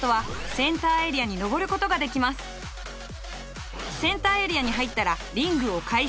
センターエリアに入ったらリングを回収。